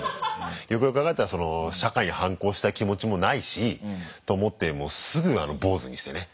よくよく考えたら社会に反抗したい気持ちもないしと思ってすぐ坊主にしてね。